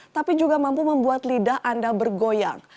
tapi juga mampu membuat lidah anda bergoyang